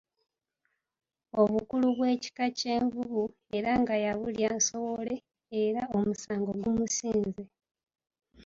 Obukulu bw'Ekika ky'Envubu, era nga yabulya nsowole; era omusango gumusinze.